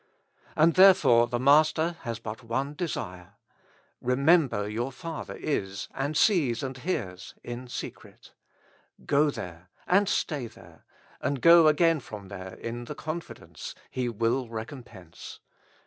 And therefore the Master has but one desire : Remember your Father is, and sees and hears in secret ; go there and stay there, and go again from there in the confidence : He will recompense.